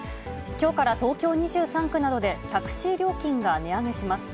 きょうから東京２３区などでタクシー料金が値上げします。